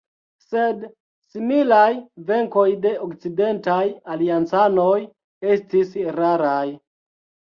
Sed similaj venkoj de okcidentaj aliancanoj estis raraj.